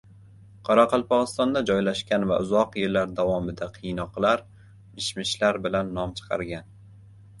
Qoraqalpog‘istonda joylashgan va uzoq yillar davomida qiynoqlar, mish-mishlar bilan nom chiqargan